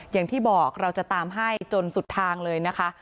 อย่างที่บอกเราจะตามให้จนสุดทางเลยนะคะ